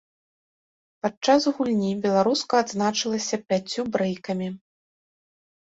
Падчас гульні беларуска адзначылася пяццю брэйкамі.